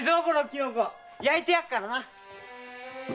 このキノコ焼いてやっからな！